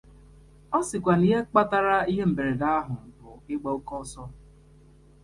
Ọ sịkwa na ihe kpatara ihe mberede ahụ bụ ịgba oke ọsọ